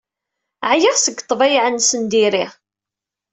Ɛyiɣ seg ḍḍbayeɛ-nnes n diri.